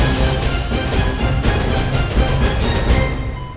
maaf pak aldebaran